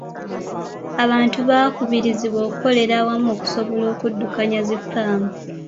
Abantu baakubirizibwa okukolera awamu okusobola okuddukanya zi ffaamu.